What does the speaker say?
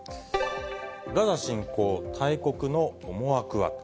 ガザ侵攻、大国の思惑は。